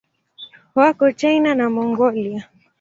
Wako China na Mongolia.